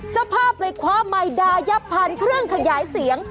จะพาไปคว้าไมดายับผ่านเครื่องขยายเสียง